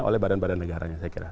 oleh badan badan negaranya saya kira